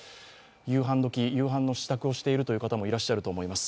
夕飯時、夕飯の支度をしているという方もいらっしゃると思います。